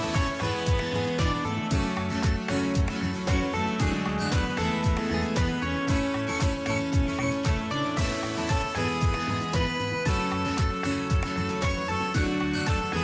สวัสดีครับพี่สิทธิ์มหันต์